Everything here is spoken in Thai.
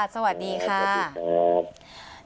สวัสดีครับ